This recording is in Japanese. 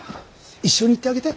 一緒に行ってあげて。